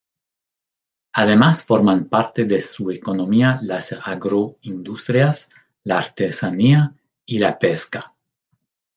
Además forman parte de su economía las agroindustrias, la artesanía y la pesca.